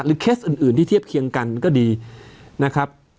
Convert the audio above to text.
เคสอื่นที่เทียบเคียงกันก็ดีนะครับ